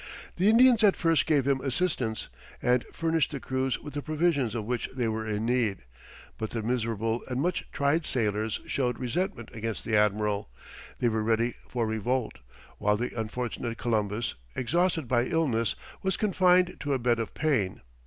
The Indians at first gave him assistance, and furnished the crews with the provisions of which they were in need, but the miserable and much tried sailors showed resentment against the admiral; they were ready for revolt, while the unfortunate Columbus, exhausted by illness, was confined to a bed of pain.